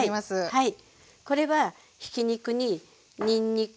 はい。